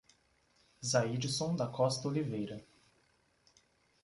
Zaidisson da Costa Oliveira